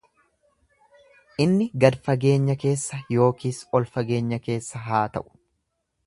Inni gad fageenya keessa yookiis ol fageenya keessa haa ta'u.